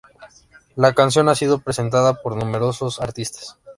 La canción ha sido presentada por numerosos artistas.